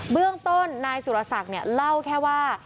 เบื้องต้นนายสุรสักเนี่ยเล่าแค่ว่า